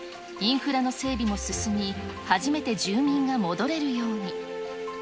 インフラの整備も進み、初めて住民が戻れるように。